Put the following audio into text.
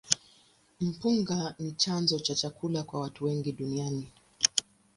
Mpunga ni chanzo cha chakula kwa watu wengi duniani.